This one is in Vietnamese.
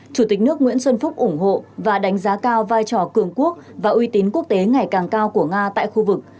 chủ tịch nước nguyễn xuân phúc ủng hộ và đánh giá cao vai trò cường quốc và uy tín quốc tế ngày càng cao của nga tại khu vực